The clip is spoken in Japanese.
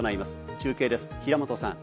中継です、平本さん。